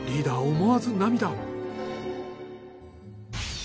思わず涙。